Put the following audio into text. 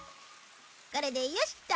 これでよしっと。